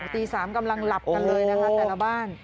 ตี๓กำลังหลับกันเลยนะคะแต่ละบ้าน